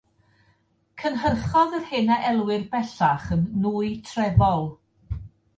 Cynhyrchodd yr hyn a elwir bellach yn nwy trefol.